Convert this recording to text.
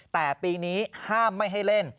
แต่ปีนี้ห้ามไม่ให้เล่น